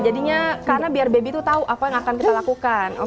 jadinya karena biar baby itu tahu apa yang akan kita lakukan